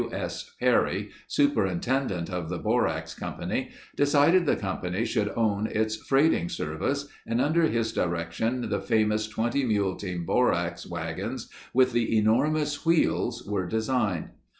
W. S. Perry, superintendent of the borax company, decided the company should own its freighting service and under his direction the famous 20 mule team borax wagons with the enormous wheels were designed.